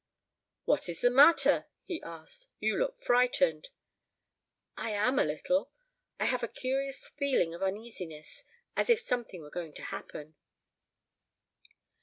"What is the matter?" he asked. "You look frightened." "I am a little I have a curious feeling of uneasiness as if something were going to happen."